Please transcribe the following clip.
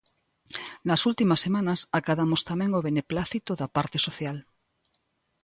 Nas últimas semanas acadamos tamén o beneplácito da parte social.